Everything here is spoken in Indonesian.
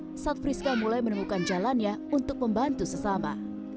setelah justru datang sat friska mulai menemukan jalannya untuk membantu sesama